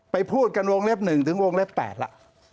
ไปพูดกันวงเล็บหนึ่งถึงวงเล็บ๘ล่ะ